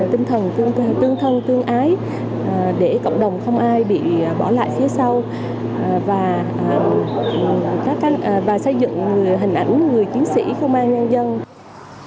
tinh thần tương thân tương ái để cộng đồng không ai bị bỏ lại phía sau và xây dựng hình ảnh người chiến sĩ công an nhân dân